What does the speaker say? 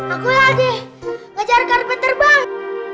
aku lagi ngejar karpet terbang